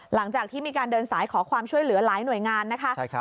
หลังจากที่มีการเดินสายขอความช่วยเหลือหลายหน่วยงานนะคะ